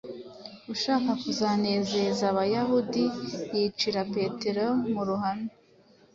ashaka kuzanezeza Abayahudi yicira Petero mu ruhame.